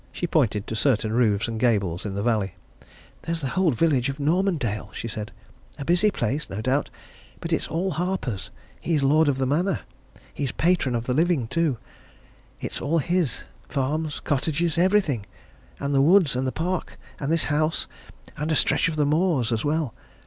She pointed to certain roofs and gables in the valley. "There's the whole village of Normandale," she said. "A busy place, no doubt, but it's all Harper's he's lord of the manor. He's patron of the living, too. It's all his farms, cottages, everything. And the woods, and the park, and this house, and a stretch of the moors, as well.